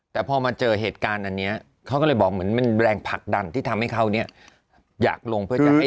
แต่พอมาเจอเหตุการณ์อันนี้เขาก็เลยบอกเหมือนมันแรงผลักดันที่ทำให้เขานี้อยากลง